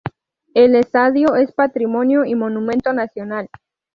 El estadio es Patrimonio y Monumento Nacional.